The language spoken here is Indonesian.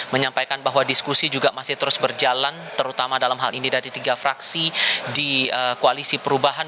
menyampaikan bahwa diskusi juga masih terus berjalan terutama dalam hal ini dari tiga fraksi di koalisi perubahan